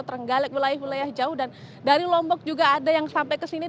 terenggalek wilayah wilayah jauh dan dari lombok juga ada yang sampai ke sini